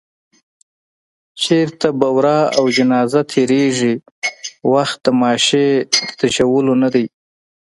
چېرته به ورا او جنازه تېرېږي، وخت د ماشې د تش کولو نه دی